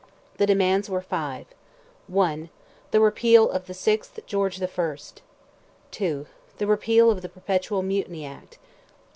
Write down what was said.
The demands were five. I. The repeal of the 6th of George I. II. The repeal of the Perpetual Mutiny Act.